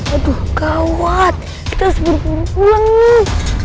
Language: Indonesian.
aduh gawat kita seber berulang nih